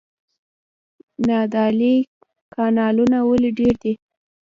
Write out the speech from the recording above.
نادعلي کانالونه ولې ډیر دي؟